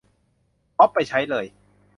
ก๊อปไปใช้เลย